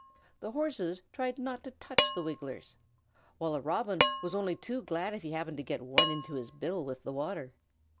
The Horses tried not to touch the Wigglers, while a Robin was only too glad if he happened to get one into his bill with the water.